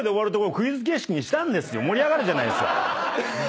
盛り上がるじゃないですか。